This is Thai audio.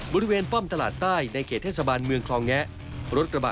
บริเวณป้อมตลาดใต้ในเขรียดเทศบาลเมืองคลองแนะ